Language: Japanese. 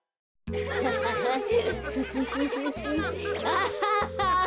アハハハ！